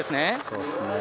そうですね。